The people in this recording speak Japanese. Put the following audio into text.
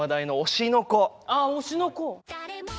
あ「推しの子」。